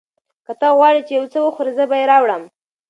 که ته غواړې چې یو څه وخورې، زه به یې راوړم.